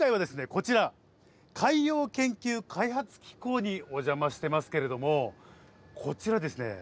こちら海洋研究開発機構にお邪魔してますけれどもこちらですね